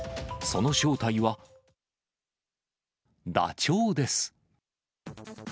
その正体は、ダチョウです。